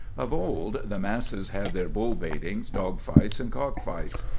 Of old, the masses had their bull baitings, dog fights, and cock fights.